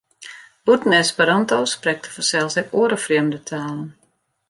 Bûten Esperanto sprekt er fansels ek oare frjemde talen.